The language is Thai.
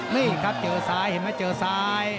นี่เข้าตรงซายเห็นไหมเจอแต่ซาย